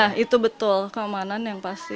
nah itu betul keamanan yang pasti